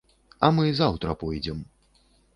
А мы заўтра пойдзем.